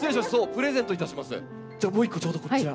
じゃあもう一個ちょうどこちら。